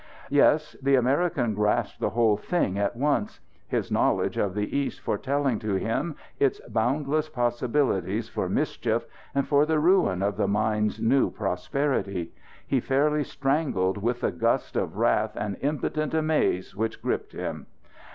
Yes, the American grasped the whole thing at once; his knowledge of the East foretelling to him its boundless possibilities for mischief and for the ruin of the mine's new prosperity. He fairly strangled with the gust of wrath and impotent amaze which gripped him.